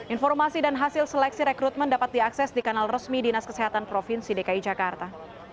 informasi dan hasil seleksi rekrutmen dapat diakses di kanal resmi dinas kesehatan provinsi dki jakarta